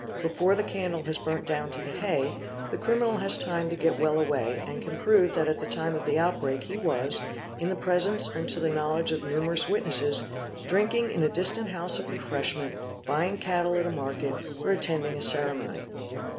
Before the candle has burnt down to the hay, the criminal has time to get well away and can prove that at the time of the outbreak he was, in the presence and to the knowledge of numerous witnesses, drinking in a distant house of refreshment, buying cattle at a market, or attending a ceremony.